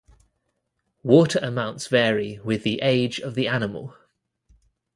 Water amounts vary with the age of the animal.